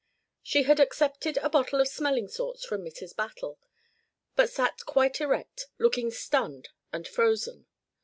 She had accepted a bottle of smelling salts from Mrs. Battle, but sat quite erect, looking stunned and frozen.